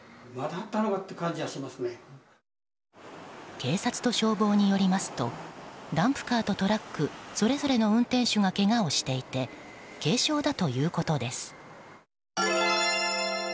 警察と消防によりますとダンプカーとトラックそれぞれの運転手がけがをしていて軽傷だということです。